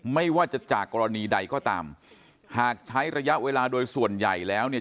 ไม่ว่าจะจากกรณีใดก็ตามหากใช้ระยะเวลาโดยส่วนใหญ่แล้วเนี่ย